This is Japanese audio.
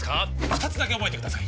二つだけ覚えてください